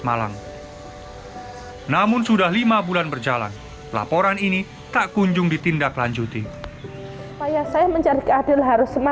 malang namun sudah lima bulan berjalan laporan ini tak kunjung ditindaklanjuti upaya saya mencari keadilan harus semua